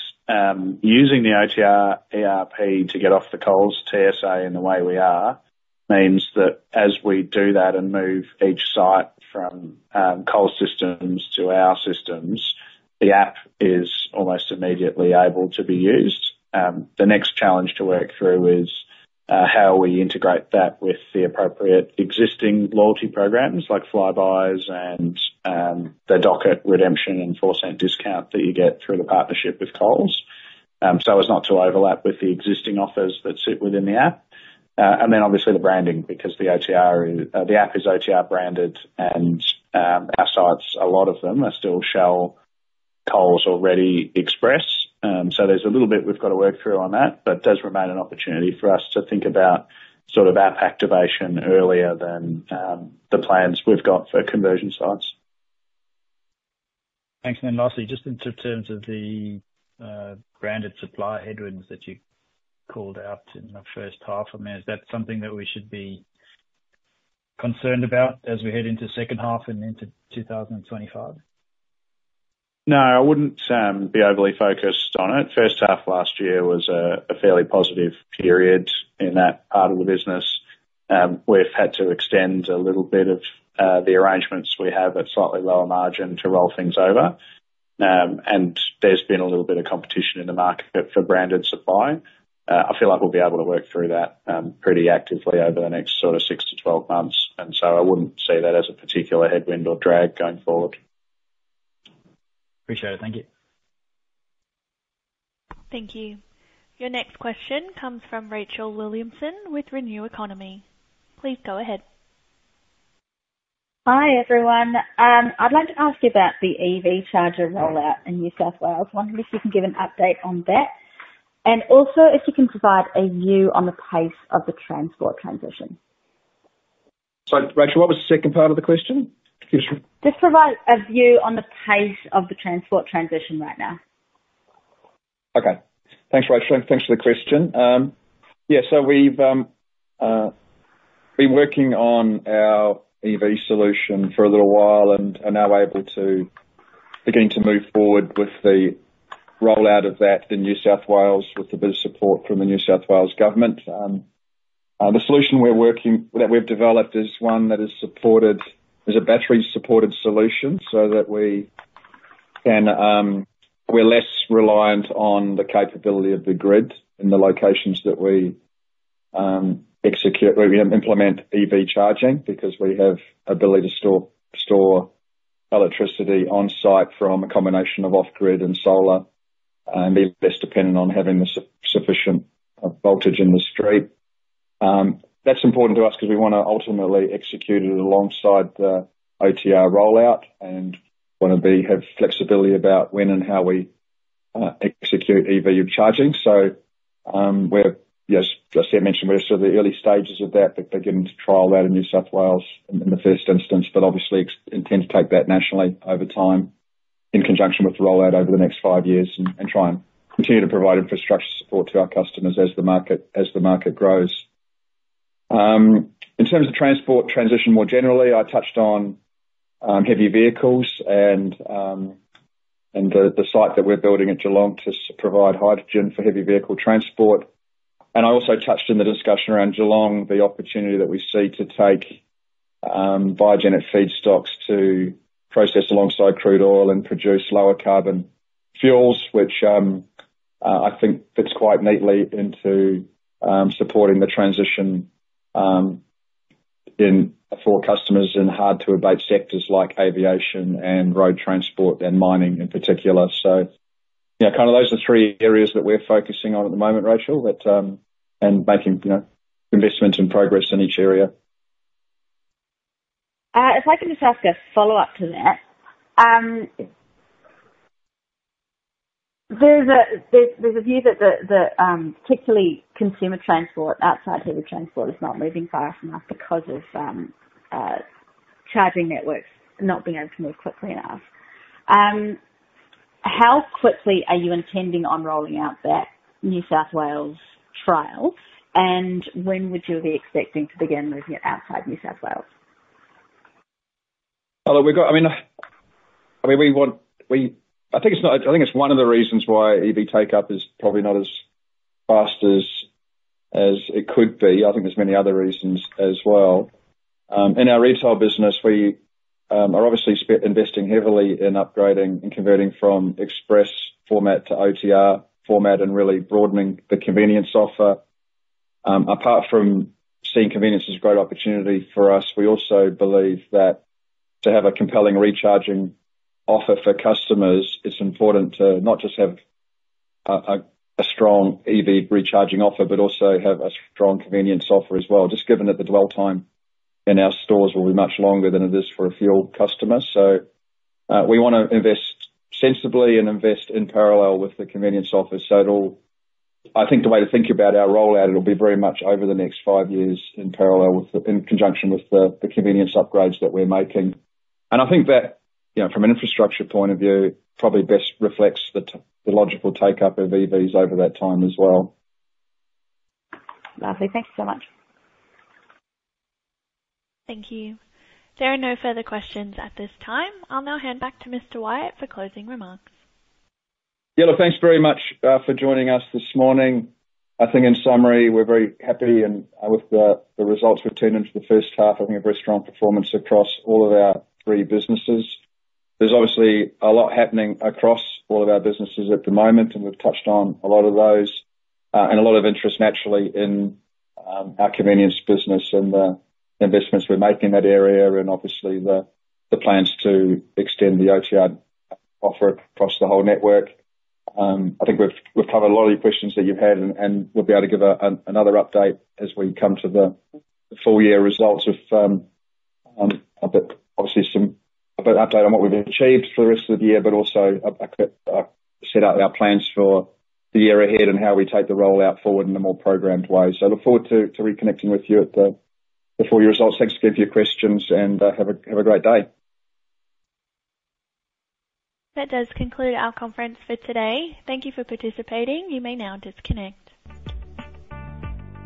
Speaker 5: using the OTR ERP to get off the Coles TSA in the way we are, means that as we do that, and move each site from Coles systems to our systems, the app is almost immediately able to be used. The next challenge to work through is how we integrate that with the appropriate existing loyalty programs, like Flybuys and the docket redemption and four cent discount that you get through the partnership with Coles, so as not to overlap with the existing offers that sit within the app. And then obviously the branding, because the OTR, the app is OTR branded and our sites, a lot of them are still Shell Coles Express already. So, there's a little bit we've got to work through on that, but it does remain an opportunity for us to think about sort of app activation earlier than the plans we've got for conversion sites.
Speaker 4: Thanks, and then lastly, just in terms of the branded supply headwinds that you called out in the first half. I mean, is that something that we should be concerned about as we head into second half and into 2025?
Speaker 5: No, I wouldn't be overly focused on it. First half last year was a fairly positive period in that part of the business. We've had to extend a little bit of the arrangements we have at slightly lower margin to roll things over, and there's been a little bit of competition in the market for branded supply. I feel like we'll be able to work through that pretty actively over the next sort of six to 12 months, and so I wouldn't see that as a particular headwind or drag going forward.
Speaker 4: Appreciate it. Thank you....
Speaker 3: Thank you. Your next question comes from Rachel Williamson with RenewEconomy. Please go ahead.
Speaker 4: Hi, everyone. I'd like to ask you about the EV charger rollout in New South Wales. Wondering if you can give an update on that, and also if you can provide a view on the pace of the transport transition?
Speaker 2: Sorry, Rachel, what was the second part of the question?
Speaker 4: Just provide a view on the pace of the transport transition right now.
Speaker 2: Okay. Thanks, Rachel, and thanks for the question. Yeah, so we've been working on our EV solution for a little while and are now able to begin to move forward with the rollout of that in New South Wales, with a bit of support from the New South Wales Government. The solution that we've developed is one that is supported, is a battery-supported solution, so that we can, we're less reliant on the capability of the grid in the locations that we execute, where we implement EV charging, because we have ability to store electricity on site from a combination of off grid and solar, and less dependent on having the sufficient voltage in the street. That's important to us because we wanna ultimately execute it alongside the OTR rollout and wanna be, have flexibility about when and how we execute EV charging. So, we're, yes, as I mentioned, we're still in the early stages of that, but beginning to trial that in New South Wales in the first instance. But obviously, intend to take that nationally over time, in conjunction with the rollout over the next five years, and try and continue to provide infrastructure support to our customers as the market grows. In terms of transport transition more generally, I touched on heavy vehicles and the site that we're building at Geelong to provide hydrogen for heavy vehicle transport. And I also touched in the discussion around Geelong, the opportunity that we see to take biogenic feedstocks to process alongside crude oil and produce lower carbon fuels, which I think fits quite neatly into supporting the transition in for customers in hard-to-abate sectors like aviation and road transport and mining in particular. So, you know, kind of those are the three areas that we're focusing on at the moment, Rachel, but and making, you know, investments and progress in each area.
Speaker 4: If I could just ask a follow-up to that. There's a view that the particularly consumer transport outside heavy transport is not moving fast enough because of charging networks not being able to move quickly enough. How quickly are you intending on rolling out that New South Wales trial? And when would you be expecting to begin moving it outside New South Wales?
Speaker 2: I mean, I think it's not. I think it's one of the reasons why EV uptake is probably not as fast as it could be. I think there's many other reasons as well. In our retail business we are obviously investing heavily in upgrading and converting from express format to OTR format, and really broadening the convenience offer. Apart from seeing convenience as a great opportunity for us, we also believe that to have a compelling recharging offer for customers, it's important to not just have a strong EV recharging offer, but also have a strong convenience offer as well, just given that the dwell time in our stores will be much longer than it is for a fuel customer. So, we wanna invest sensibly and invest in parallel with the convenience offers, so it'll. I think the way to think about our rollout, it'll be very much over the next five years, in parallel with the, in conjunction with the convenience upgrades that we're making. And I think that, you know, from an infrastructure point of view, probably best reflects the logical take-up of EVs over that time as well.
Speaker 4: Lovely. Thank you so much.
Speaker 3: Thank you. There are no further questions at this time. I'll now hand back to Mr. Wyatt for closing remarks.
Speaker 2: Yeah, look, thanks very much for joining us this morning. I think in summary, we're very happy and with the results we've delivered in the first half. I think a very strong performance across all of our three businesses. There's obviously a lot happening across all of our businesses at the moment, and we've touched on a lot of those, and a lot of interest naturally in our convenience business and the investments we make in that area. And obviously the plans to extend the OTR offer across the whole network. I think we've covered a lot of your questions that you've had, and we'll be able to give another update as we come to the full year results in a bit, obviously some... A bit of update on what we've achieved for the rest of the year, but also set out our plans for the year ahead and how we take the rollout forward in a more programmed way. So I look forward to reconnecting with you at the full year results. Thanks again for your questions and have a great day.
Speaker 3: That does conclude our conference for today. Thank you for participating. You may now disconnect.